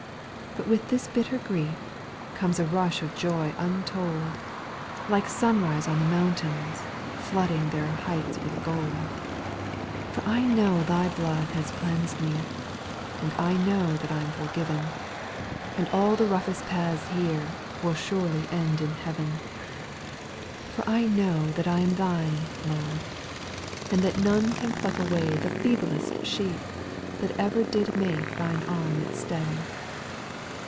7. But with this bitter grief, comes A rush of joy untold, Like sunrise on the mountains, Flooding their heights with gold. 8. For I know Thy blood has cleansed me, And I know that I 'm forglvew \ 304 SVIRITUAL SONGS. And all the roughest paths here, Will surely end in heaven. 9. For I know that I am Thine, Lord, And that none can pluck away The feeblest sheep that ever Did make Thine arm its stay.